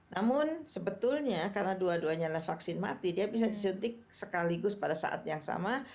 namun sebetulnya karena dua duanya lah vaksin mati dia bisa disuntik sekaligus pada saat yang sama